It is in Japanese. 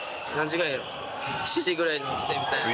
７時ぐらいに起きてみたいな。